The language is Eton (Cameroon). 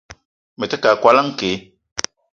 Me te keu a koala nke.